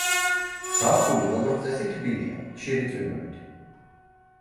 ზაფხული როგორც წესი თბილია, ხშირი წვიმებით.